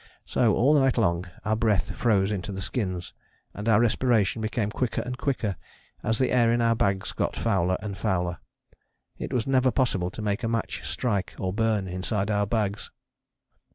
So all night long our breath froze into the skins, and our respiration became quicker and quicker as the air in our bags got fouler and fouler: it was never possible to make a match strike or burn inside our bags!